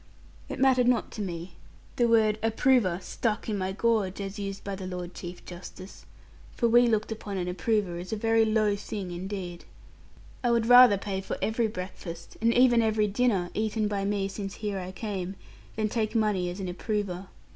It mattered not to me. The word 'approver' stuck in my gorge, as used by the Lord Chief Justice; for we looked upon an approver as a very low thing indeed. I would rather pay for every breakfast, and even every dinner, eaten by me since here I came, than take money as an approver.